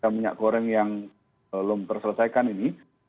minyak goreng yang belum terselesaikan ini